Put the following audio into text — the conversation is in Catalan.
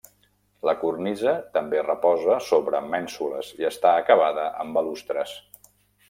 La cornisa també reposa sobre mènsules i està acabada amb balustres.